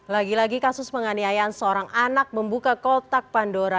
lagi lagi kasus penganiayaan seorang anak membuka kotak pandora